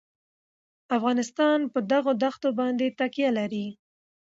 افغانستان په دغو دښتو باندې تکیه لري.